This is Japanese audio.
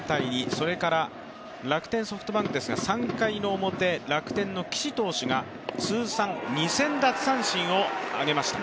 それから楽天ソフトバンクですが３回の表、楽天の岸投手が通算２０００奪三振を挙げました。